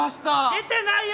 出てないよ！